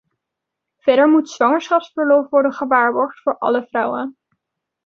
Verder moet zwangerschapsverlof worden gewaarborgd voor alle vrouwen.